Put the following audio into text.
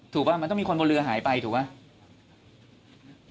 ถูกปะมันต้องมีคนบนเรือหายไปถูกปะ